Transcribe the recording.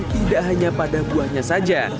tidak hanya pada buahnya saja